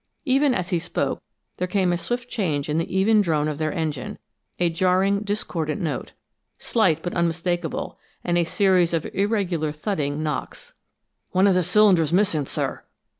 Even as he spoke, there came a swift change in the even drone of their engine, a jarring, discordant note, slight but unmistakable, and a series of irregular thudding knocks. "One of the cylinder's missing, sir."